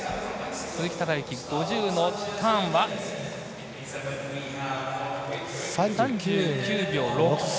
鈴木孝幸、５０のターンは３９．６３。